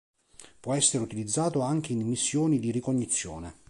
Può essere utilizzato anche in missioni di ricognizione.